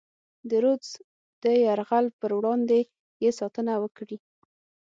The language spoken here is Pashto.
د رودز د یرغل پر وړاندې یې ساتنه وکړي.